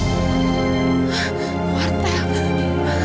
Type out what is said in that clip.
aku harus ke luar sana nay